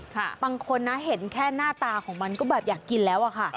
บางคนนะเห็นแค่หน้าตาของมันก็แบบอยากกินแล้วอะค่ะ